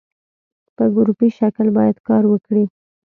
په ګروپي شکل باید کار وکړي.